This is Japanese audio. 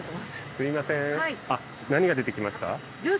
すいません何が出てきました？